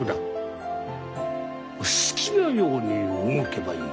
好きなように動けばいい。